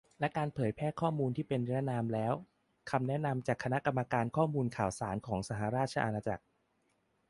และการเผยแพร่ข้อมูลที่เป็นนิรนามแล้ว - คำแนะนำจากคณะกรรมการข้อมูลข่าวสารของสหราชอาณาจักร